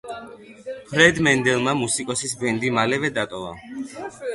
ფრედ მენდელმა მუსიკოსის ბენდი მალევე დატოვა.